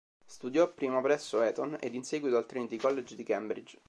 Studiò prima presso Eton ed in seguito al Trinity College di Cambridge.